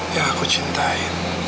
yang aku cintai